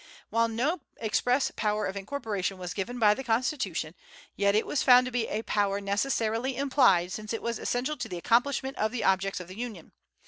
While no express power of incorporation was given by the Constitution, yet it was found to be a power necessarily implied, since it was essential to the accomplishment of the objects of the Union.